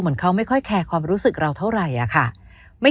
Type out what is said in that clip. เหมือนเขาไม่ค่อยแคร์ความรู้สึกเราเท่าไหร่อะค่ะ